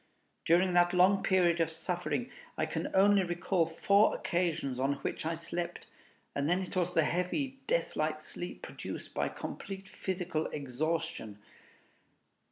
During that long period of suffering, I can only recall four occasions on which I slept, and then it was the heavy, death like sleep produced by complete physical exhaustion.